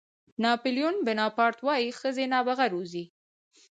ناپلیون بناپارټ وایي ښځې نابغه روزي.